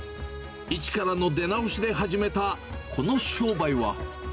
一からの出直しで始めたこの商売は。